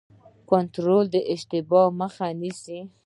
کنټرول د اشتباه مخه نیسي